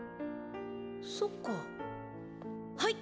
そっかはい！